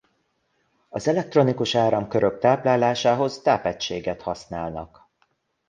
Az elektronikus áramkörök táplálásához tápegységet használnak.